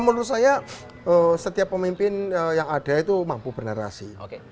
menurut saya setiap pemimpin yang ada itu mampu bernarasi